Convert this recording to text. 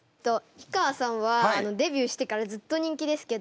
氷川さんはデビューしてからずっと人気ですけど。